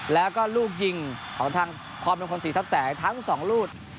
แล้วก็ลูกยิงของทางพรมงคลศรีทรัพย์แสงทั้ง๒ลูก